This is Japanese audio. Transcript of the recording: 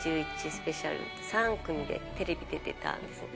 スペシャルで、３組でテレビ出てたんですよね。